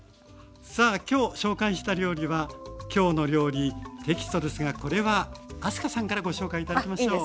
さあ今日紹介した料理は「きょうの料理」テキストですがこれは明日香さんからご紹介頂きましょう。